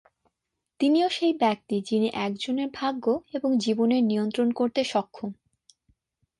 তিনিই সেই ব্যক্তি যিনি একজনের ভাগ্য এবং জীবনের নিয়ন্ত্রণ করতে সক্ষম।